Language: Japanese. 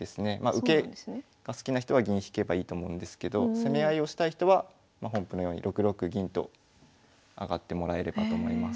受けが好きな人は銀引けばいいと思うんですけど攻め合いをしたい人は本譜のように６六銀と上がってもらえればと思います。